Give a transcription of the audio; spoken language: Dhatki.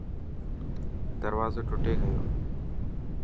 دروازو ٽٽي گيو.